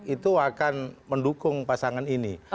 itu akan mendukung pasangan ini